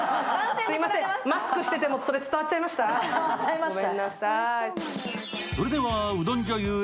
すみません、マスクしてても伝わっちゃいました？